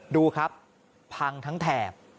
ดูครับพังทั้งแถบ